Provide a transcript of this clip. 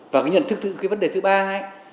và cái nhận thức vấn đề thứ ba